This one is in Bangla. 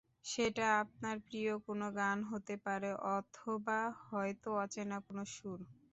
সেটা আপনার প্রিয় কোনো গান হতে পারে, অথবা হয়তো অচেনা কোনো সুর।